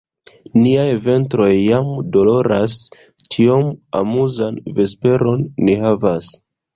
Niaj ventroj jam doloras; tiom amuzan vesperon ni havas!